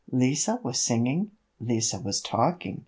Lise was singing! Lise was talking!